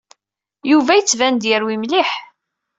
Yuba yettban-d yerwi mliḥ.